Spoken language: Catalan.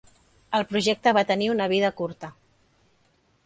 El projecte va tenir una vida curta.